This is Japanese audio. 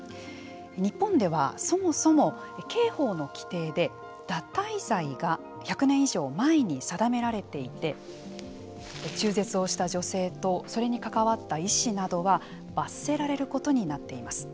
日本ではそもそも刑法の規定で堕胎罪が１００年以上前に定められていて中絶をした女性とそれに関わった医師などは罰せられることになっています。